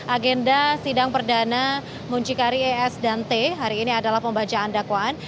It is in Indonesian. agenda sidang perdana muncikari es dan t hari ini adalah pembacaan dakwaan